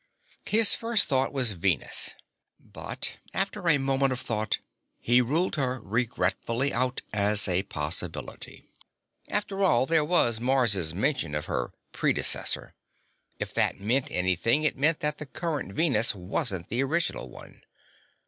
His first thought was Venus. But, after a moment of thought, he ruled her regretfully out as a possibility. After all, there was Mars' mention of her "predecessor." If that meant anything, it meant that the current Venus wasn't the original one.